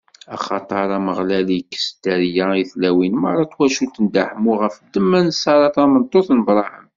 Axaṭer Ameɣlal ikkes dderya i tlawin meṛṛa n twacult n Dda Ḥemmu ɣef ddemma n Ṣara, tameṭṭut n Abṛaham.